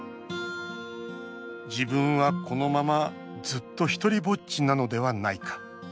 自分はこのままずっとひとりぼっちなのではないか。